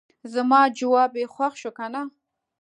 زما جواب یې خوښ شو کنه.